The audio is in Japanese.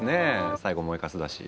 最後燃えかすだし。